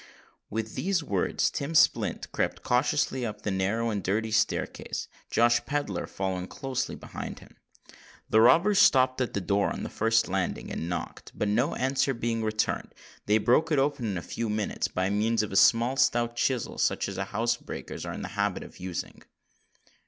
With these words, Tim Splint crept cautiously up the narrow and dirty staircase, Josh Pedler following close behind him. The robbers stopped at the door on the first landing, and knocked; but, no answer being returned, they broke it open in a few moments by means of a small stout chisel such as housebreakers are in the habit of using.